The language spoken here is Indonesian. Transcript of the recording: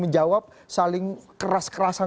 menjawab saling keras kerasan